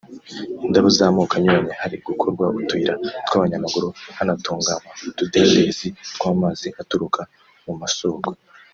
indabo z’amoko anyuranye; hari gukorwa utuyira tw’abanyamaguru; hanatunganywa utudendezi tw’amazi aturuka mu masoko